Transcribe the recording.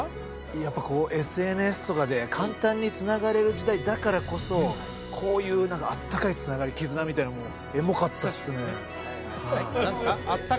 やっぱこうＳＮＳとかで簡単につながれる時代だからこそこういう何かあったかいつながり絆みたいなもの何ですか？